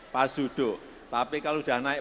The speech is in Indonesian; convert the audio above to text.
pas duduk tapi kalau sudah naik